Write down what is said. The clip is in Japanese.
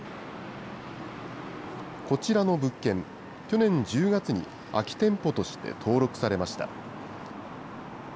こちらの物件、去年１０月に空き店舗として登録されました。